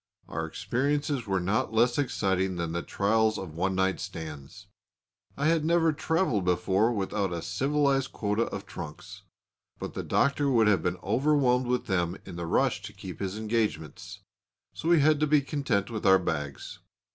Our experiences were not less exciting than the trials of one night stands. I had never travelled before without a civilised quota of trunks; but the Doctor would have been overwhelmed with them in the rush to keep his engagements. So we had to be content with our bags.